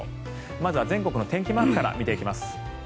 まずは全国の天気マークから見ていきます。